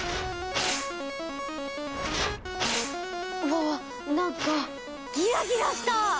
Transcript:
わわっなんかギラギラした！